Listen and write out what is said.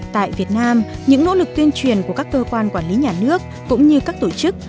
tại việt nam những nỗ lực tuyên truyền của các cơ quan quản lý nhà nước cũng như các tổ chức